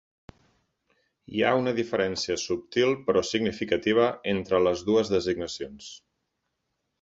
Hi ha una diferència subtil però significativa entre les dues designacions.